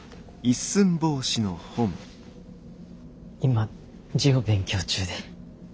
今字を勉強中で。